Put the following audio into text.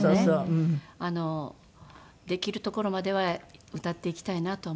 できるところまでは歌っていきたいなとは思って。